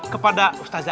kepada ustadz abel